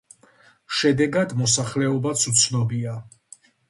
შედეგად, მოსახლეობაც უცნობია.